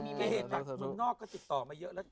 มันเกตน่ะส่วนนอกก็ติดต่อมาเยอะแล้ว